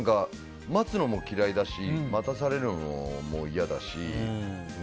待つのも嫌いだし待たされるのも嫌だし。